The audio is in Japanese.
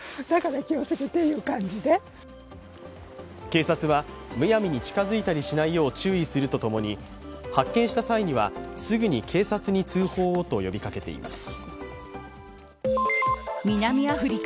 警察は、むやみに近づいたりしないよう注意するとともに発見した際にはすぐに警察に通報をと呼びかけています。